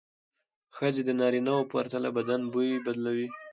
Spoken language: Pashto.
ښځې د نارینه وو پرتله بدن بوی بدلوي.